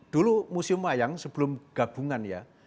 dulu museum wayang sebelum gabungan ya